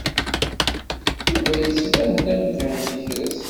Yuba yettban-d amzun yekres.